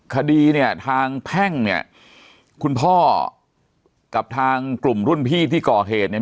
คดีเนี่ยทางแพ่งเนี่ยคุณพ่อกับทางกลุ่มรุ่นพี่ที่ก่อเหตุเนี่ย